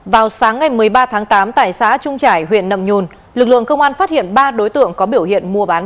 vào sáng ngày một mươi ba tháng tám tại xã trung trải huyện nậm nhùn lực lượng công an phát hiện ba đối tượng có biểu hiện mua bán